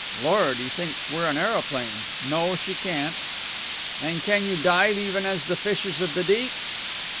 "Lord, he thinks we're an aeroplane!... No, she can't...." "And can you dive, even as the fishes of the deep?"